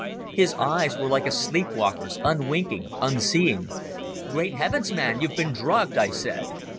His eyes were like a sleep walker's, unwinking, unseeing. "Great heavens, man, you've been drugged!" I said.